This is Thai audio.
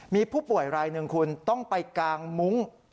มีผู้ป่วยรายหนึ่งคุณต้องไปกางมุ้ง